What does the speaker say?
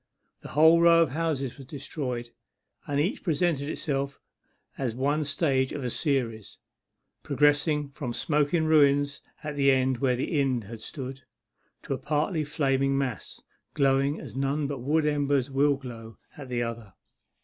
The whole row of houses was destroyed, and each presented itself as one stage of a series, progressing from smoking ruins at the end where the inn had stood, to a partly flaming mass glowing as none but wood embers will glow at the other.